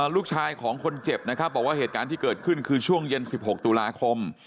ลูกชายของคนเจ็บนะครับบอกว่าเหตุการณ์ที่เกิดขึ้นคือช่วงเย็น๑๖ตุลาคม